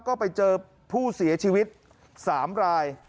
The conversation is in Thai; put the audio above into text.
ก็ไปเจอผู้เสียชีวิต๓ราย